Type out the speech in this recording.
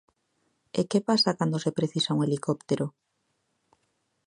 ¿E que pasa cando se precisa un helicóptero?